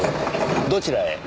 どちらへ？